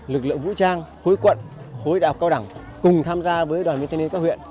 lực lượng vũ trang khối quận khối đạo cao đẳng cùng tham gia với đoàn miên thanh niên các huyện